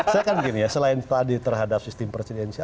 saya kan gini ya selain tadi terhadap sistem presidensial